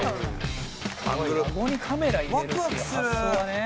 「籠にカメラ入れるっていう発想がね」